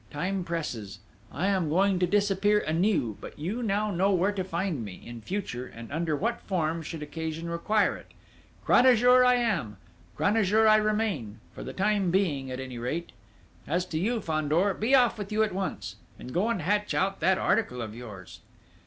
Time presses. I am going to disappear anew; but you now know where to find me, in future, and under what form, should occasion require it. Cranajour I am; Cranajour I remain for the time being, at any rate. As to you, Fandor, be off with you at once ... and go and hatch out that article of yours!"